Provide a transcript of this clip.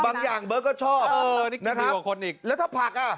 บางอย่างเบอร์ก็ชอบแล้วถ้าผัก